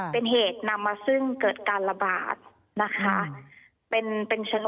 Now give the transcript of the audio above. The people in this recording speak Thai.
เป็นเหตุนำมาซึ่งเกิดการระบาดนะคะ